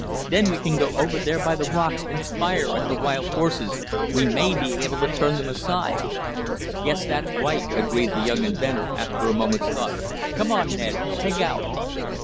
Then we can go over there by the rocks, and fire at the wild horses. We may be able to turn them aside." "Guess that's right," agreed the young inventor after a moment's thought. "Come on, Ned. Peg out!"